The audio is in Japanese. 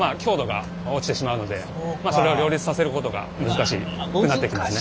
それを両立させることが難しくなってきますね。